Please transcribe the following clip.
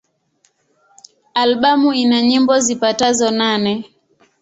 Albamu ina nyimbo zipatazo nane.